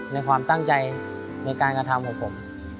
ในความตั้งใจในการกระทำของผม